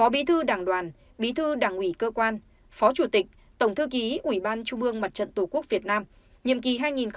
bí thư đảng đoàn bí thư đảng ủy cơ quan phó chủ tịch tổng thư ký ủy ban trung mương mặt trận tổ quốc việt nam nhiệm kỳ hai nghìn một mươi bốn hai nghìn một mươi chín